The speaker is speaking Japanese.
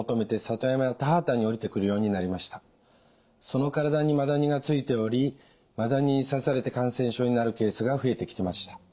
その体にマダニがついておりマダニに刺されて感染症になるケースが増えてきました。